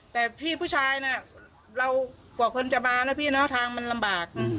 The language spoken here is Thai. แต่พี่ผู้ชายน่ะเรากว่าคนจะมานะพี่เนาะทางมันลำบาก